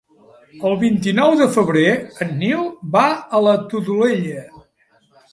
El vint-i-nou de febrer en Nil va a la Todolella.